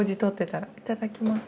いただきます。